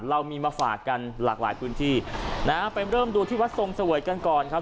เรามีมาฝากกันหลากหลายพื้นที่นะฮะไปเริ่มดูที่วัดทรงเสวยกันก่อนครับ